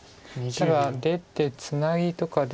ただ出てツナギとかで。